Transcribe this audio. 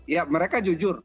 ya mereka jujur